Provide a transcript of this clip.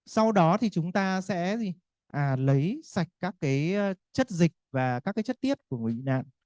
sau đó thì chúng ta sẽ lấy sạch các chất dịch và các chất tiết của người bị nạn